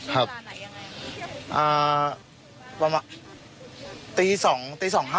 ตี๒๕๕ประมาณนี้ครับ